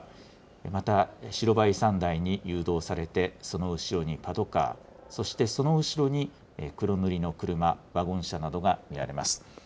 また白バイ３台に誘導されて、その後ろにパトカー、そしてその後ろに黒塗りの車、ワゴン車などが見られます。